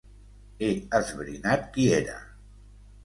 He esbrinat qui era.